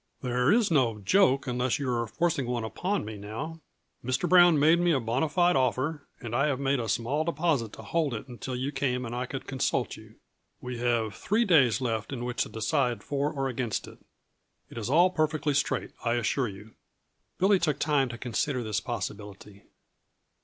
"There is no joke unless you are forcing one upon me now. Mr. Brown made me a bona fide offer, and I have made a small deposit to hold it until you came and I could consult you. We have three days left in which to decide for or against it. It is all perfectly straight, I assure you." Billy took time to consider this possibility.